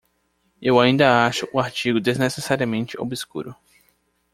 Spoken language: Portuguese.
Eu ainda acho o artigo desnecessariamente obscuro.